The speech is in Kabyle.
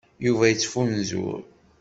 Yuba ad yettfunzur.